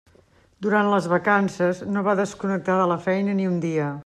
Durant les vacances no va desconnectar de la feina ni un dia.